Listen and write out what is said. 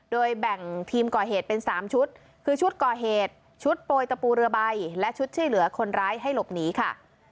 โดยแบ่งทีมก่อเหตุเป็น๓ชุดคือชุดก่อเหตุชุดโปรยตะปูเรือใบและชุดช่วยเหลือคนร้ายให้หลบหนีค่ะ